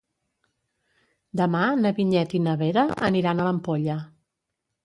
Demà na Vinyet i na Vera aniran a l'Ampolla.